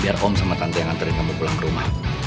biar om sama tante yang ngantri kamu pulang ke rumah